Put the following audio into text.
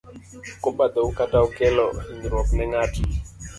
Okobadhou kata okelo hinyruok ne ngato.